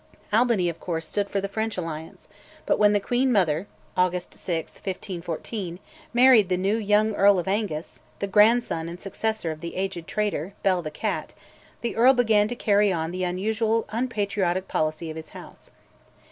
Albany, of course, stood for the French alliance, but when the queen mother (August 6, 1514) married the new young Earl of Angus, the grandson and successor of the aged traitor, "Bell the Cat," the earl began to carry on the usual unpatriotic policy of his house.